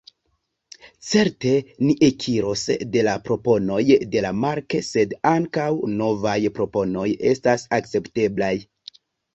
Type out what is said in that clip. Certe ni ekiros de la proponoj de Mark, sed ankaŭ novaj proponoj estas akcepteblaj.